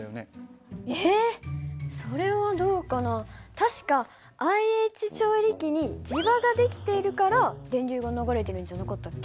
確かＩＨ調理器に磁場ができているから電流が流れてるんじゃなかったっけ？